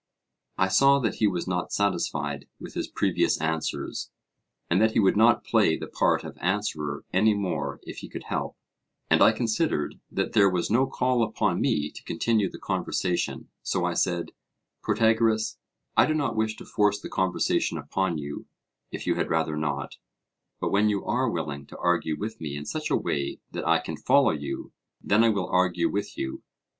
I saw that he was not satisfied with his previous answers, and that he would not play the part of answerer any more if he could help; and I considered that there was no call upon me to continue the conversation; so I said: Protagoras, I do not wish to force the conversation upon you if you had rather not, but when you are willing to argue with me in such a way that I can follow you, then I will argue with you.